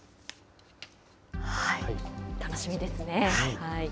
楽しみですね。